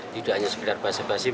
tidak hanya sekedar basi basib